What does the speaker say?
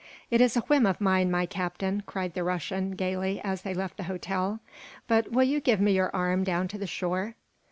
"It is a whim of mine, my Captain," cried the Russian, gayly, as they left the hotel, "but will you give me your arm down to the shore?"